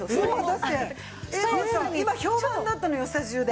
だって今評判だったのよスタジオで。